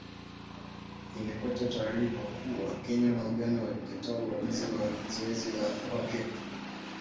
limepata taarifa kuwa Kenya na Uganda walikataa uamuzi wa zoezi la uhakiki